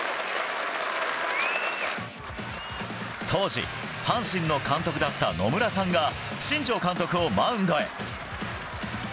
当時阪神の監督だった野村さんが新庄監督をマウンドへ。